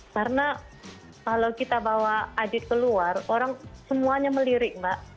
karena kalau kita bawa adit keluar orang semuanya melirik mbak